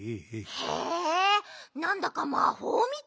へえなんだかまほうみたい！